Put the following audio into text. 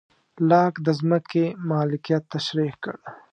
لاک د ځمکې مالکیت تشرېح کړ.